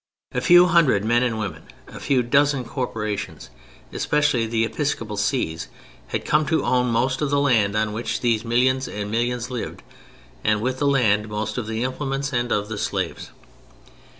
A few hundred men and women, a few dozen corporations (especially the episcopal sees) had come to own most of the land on which these millions and millions lived; and, with the land, most of the implements and of the slaves.